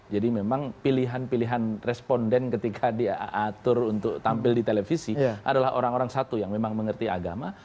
jadi memang pilihan pilihan responden ketika diatur untuk tampil di televisi adalah orang orang satu yang memang mengerti agama